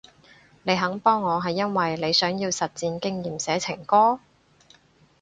你肯幫我係因為你想要實戰經驗寫情歌？